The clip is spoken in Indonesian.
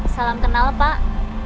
salam kenal pak